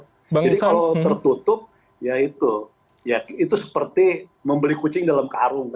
jadi kalau tertutup ya itu seperti membeli kucing dalam karung